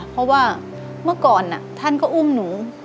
เพราะว่าเมื่อก่อนท่านก็อุ้มหนู